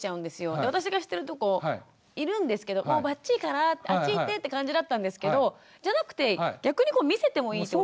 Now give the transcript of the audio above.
で私がしてるとこいるんですけどばっちいからあっち行ってって感じだったんですけどじゃなくて逆に見せてもいいってこと？